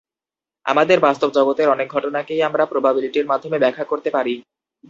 আমাদের বাস্তব জগতের অনেক ঘটনাকেই আমরা প্রবাবিলিটির মাধ্যমে ব্যাখ্যা করতে পারি।